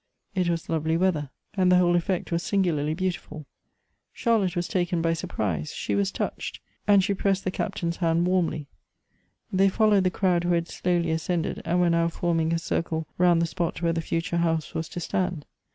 It was lovely weather, and the whole effect was 4 74 Bingularly beautiful. Charlotte was taken by suqirise, she was touchedfSffd she pressed the Captain's hand warmly. They followed the crowd whrfhad slowly ascended, and were now fonning a circle round the spot where the future house was to stand.